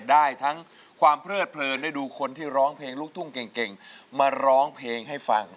ได้ทั้งความเพลิดเพลินได้ดูคนที่ร้องเพลงลูกทุ่งเก่งมาร้องเพลงให้ฟัง